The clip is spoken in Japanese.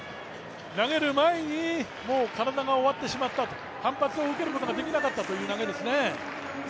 投げる前に体が終わってしまったと、反発を受けることができなかったという投げですね。